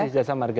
masih jasa marga